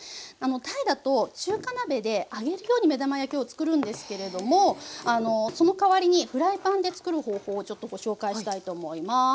タイだと中華鍋で揚げるように目玉焼きを作るんですけれどもそのかわりにフライパンで作る方法をちょっとご紹介したいと思います。